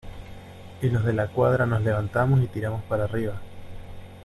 y los De la Cuadra nos levantamos y tiramos para arriba.